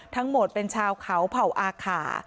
ทั้งหมดเป็นชาวเขาเผ่าอาขา